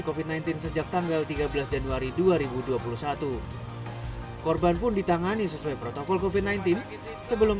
covid sembilan belas sejak tanggal tiga belas januari dua ribu dua puluh satu korban pun ditangani sesuai protokol kofi sembilan belas sebelum